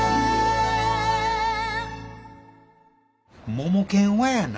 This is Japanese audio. モモケンはやな。